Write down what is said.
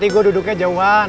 gua duduknya jauhan